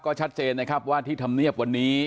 ก็ชัดเจนนะครับว่าที่ธรรมเนียบวันนี้